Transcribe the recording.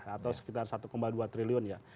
atau sekitar satu dua triliun ya